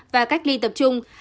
và cách ly tập trung